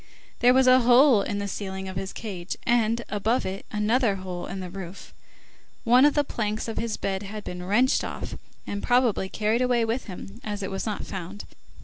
There was a hole in the ceiling of his cage, and, above it, another hole in the roof. One of the planks of his bed had been wrenched off, and probably carried away with him, as it was not found.